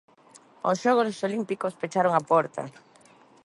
Os Xogos Olímpicos pecharon a porta.